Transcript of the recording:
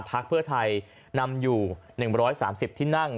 พักเพื่อไทยนำอยู่๑๓๐ที่นั่ง